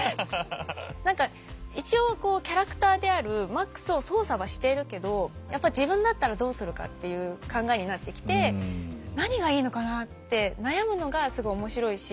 何か一応こうキャラクターであるマックスを操作はしているけどやっぱ自分だったらどうするかっていう考えになってきて何がいいのかなあって悩むのがすごい面白いし